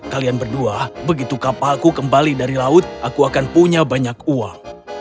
kalian berdua begitu kapalku kembali dari laut aku akan punya banyak uang